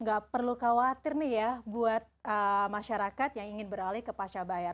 nggak perlu khawatir nih ya buat masyarakat yang ingin beralih ke pasca bayar